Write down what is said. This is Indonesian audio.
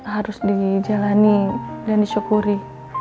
harus dijalani dan disyukuri